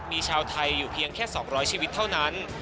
มีชาวไทยอยู่เพียงแค่๒๐๐ชีวิตเท่านั้น